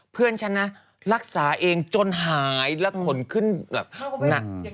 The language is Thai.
เพื่อนฉันนะรักษาเองจนหายและขนขึ้นแบบหนัก